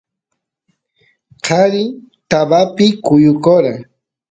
qari tabapi kuyukora